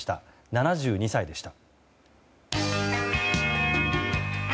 ７２歳でした。